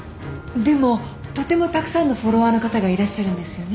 でもとてもたくさんのフォロワーの方がいらっしゃるんですよね？